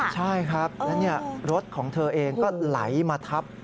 ใช่ครับแล้วรถของเธอเองก็ไหลมาทับ